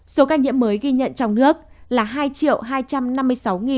số ca nhiễm mới ghi nhận trong nước là hai hai trăm năm mươi sáu người